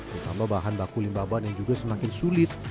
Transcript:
ditambah bahan baku limbah ban yang juga semakin sulit